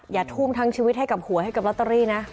อย่าทุ่มทั้งชีวิตให้กับหัวให้กับลอตเตอรี่นะ